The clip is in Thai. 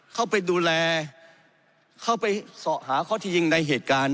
เข้าไปดูแลเข้าไปเสาะหาเค้าทีในเหตุการณ์